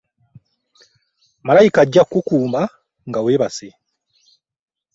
Malayika ajja kukukuuma nga weebase.